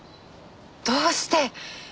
どうして？